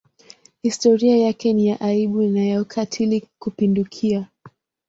Historia yake ni ya aibu na ya ukatili kupindukia.